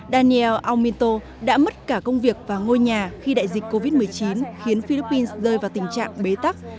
daniel auminsto đã mất cả công việc và ngôi nhà khi đại dịch covid một mươi chín khiến philippines rơi vào tình trạng bế tắc